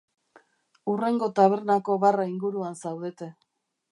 Hurrengo tabernako barra inguruan zaudete.